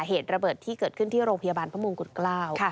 เหตุระเบิดที่เกิดขึ้นที่โรงพยาบาลพระมงกุฎเกล้า